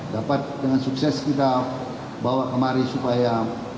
dapat dengan sukses kita bawa kemari supaya